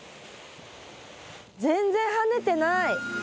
全然跳ねてない！